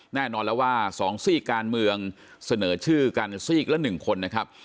แน่นอนแล้วว่า๒ซีกการเมืองเสนอชื่อกันซีกละ๑คนนะครับ